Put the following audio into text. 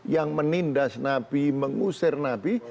yang menindas nabi mengusir nabi